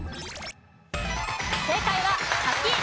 正解は柿。